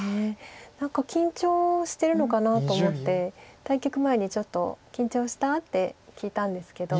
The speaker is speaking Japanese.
何か緊張してるのかなと思って対局前にちょっと「緊張した？」って聞いたんですけど。